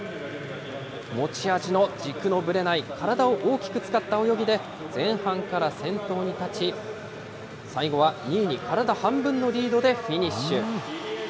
持ち味の軸のぶれない体を大きく使った泳ぎで、前半から先頭に立ち、最後は２位に体半分のリードでフィニッシュ。